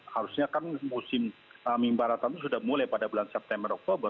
harusnya kan musim amimbaratan itu sudah mulai pada bulan september oktober